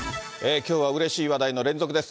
きょうはうれしい話題の連続です。